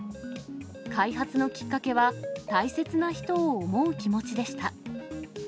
開発のきっかけは、大切な人を思う気持ちでした。